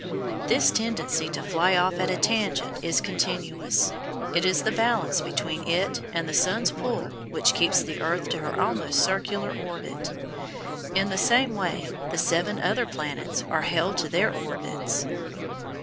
This tendency to fly off at a tangent is continuous. It is the balance between it and the sun's pull which keeps the earth to her almost circular orbit. In the same way the seven other planets are held to their orbits.